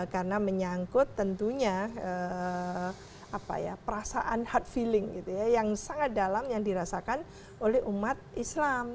karena menyangkut tentunya perasaan heart feeling gitu ya yang sangat dalam yang dirasakan oleh umat islam